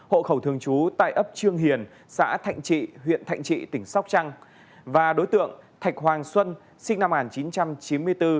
hộ khẩu thường trú tại ấp trương hiền xã thạnh trị huyện thạnh trị tỉnh sóc trăng và đối tượng thạch hoàng xuân sinh năm một nghìn chín trăm chín mươi bốn